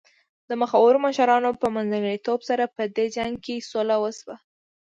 د مخورو مشرانو په منځګړیتوب سره په دې جنګ کې سوله وشوه.